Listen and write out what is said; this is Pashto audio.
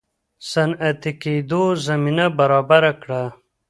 صنعتي کېدو زمینه برابره کړه.